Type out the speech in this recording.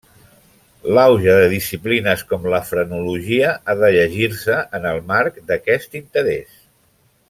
L'auge de disciplines com la frenologia ha de llegir-se en el marc d'aquest interès.